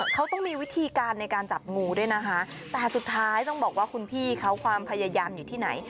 เขาต้องมีวิธีการในการจับงูด้วยนะคะแต่สุดท้ายต้องบอกว่าคุณพี่เขาความพยายามอยู่ที่ไหน